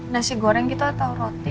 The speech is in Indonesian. nasi goreng kita atau roti